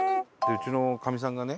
うちのかみさんがね